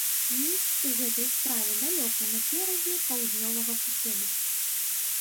Мінск у гэтай справе далёка наперадзе паўднёвага суседа.